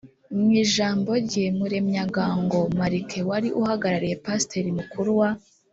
mu ijambo rye, muremyangango malachie wari ahagarariye pasteur mukuru wa